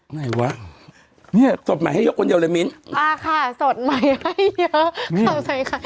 ไหนวะเนี่ยสดใหม่ให้เดี๋ยวเลยมิ้นอ่าค่ะสดใหม่ให้เยอะ